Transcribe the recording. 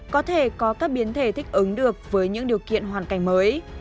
có thể có các biến thể thích ứng được với những điều kiện hoàn cảnh mới